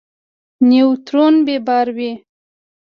نیوترون بې بار وي.